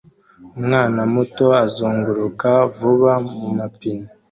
Umwana muto azunguruka vuba mumapine